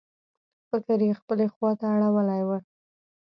فکر یې خپلې خواته اړولی و.